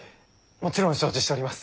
もちろん承知しております。